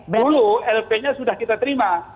dulu lp nya sudah kita terima